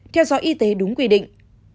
theo dõi y tế đúng quy định